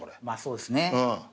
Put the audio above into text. まあそうですね。